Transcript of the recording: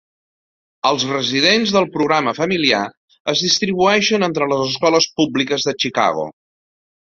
Els residents del programa familiar es distribueixen entre les escoles públiques de Chicago.